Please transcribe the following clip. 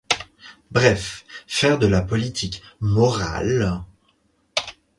Bref : faire de la politique « morale »…